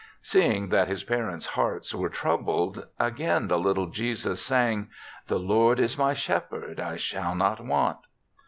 Seeing that his parents' hearts were troubled, again the little Jesus sang, "The Lord is my shepherd; I shall not want."